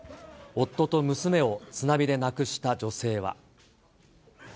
夫と娘を津波で亡くした女性は。